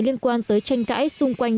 liên quan tới tranh cãi xung quanh